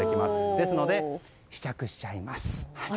ですので、試着しちゃいます。